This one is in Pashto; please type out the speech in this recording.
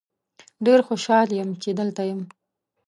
ډیر خوشحال یم چې دلته یم.